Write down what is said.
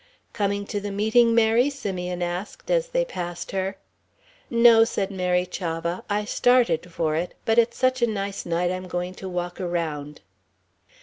"Coming to the meeting, Mary?" Simeon asked as they passed her. "No," said Mary Chavah, "I started for it. But it's such a nice night I'm going to walk around."